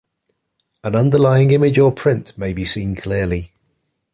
An underlying image or print may be seen clearly.